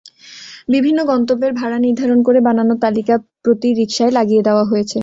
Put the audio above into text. বিভিন্ন গন্তব্যের ভাড়া নির্ধারণ করে বানানো তালিকা প্রতি রিকশায় লাগিয়ে দেওয়া হয়েছে।